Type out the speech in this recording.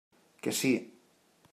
Que sí.